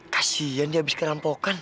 kasihan dia abis kerampokan